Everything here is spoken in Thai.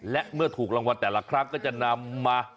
และเมื่อถูกรางวัลแต่ละครั้งก็จะนำมา